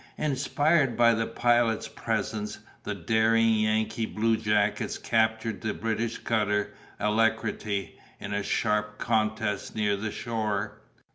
Inspired by the Pilot's presence, the daring Yankee bluejackets captured the British cutter Alacrity, in a sharp contest near the shore.